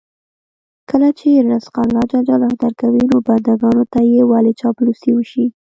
کله چې رزق الله ج درکوي، نو بندګانو ته یې ولې چاپلوسي وشي.